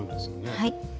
はい。